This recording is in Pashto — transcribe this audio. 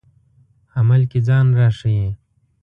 عمل کې ځان راښيي.